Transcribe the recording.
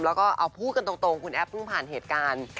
แล้วก็เอาพูดกันตรงคุณแอฟเพิ่งผ่านเหตุการณ์